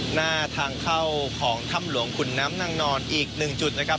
หน้าทางเข้าของถ้ำหลวงขุนน้ำนางนอนอีกหนึ่งจุดนะครับ